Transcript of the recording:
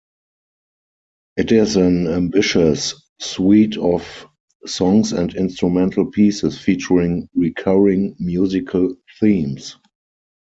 It is an ambitious suite of songs and instrumental pieces featuring recurring musical themes.